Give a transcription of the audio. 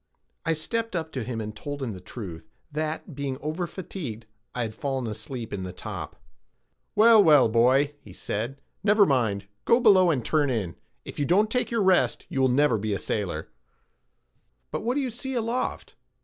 I stepped up to him and told him the truth, that, being over fatigued, I had fallen asleep in the top. "Well, well, boy," said he, "never mind, go below, and turn in; if you don't take your rest, you never will be a sailor. "But what do you see aloft?"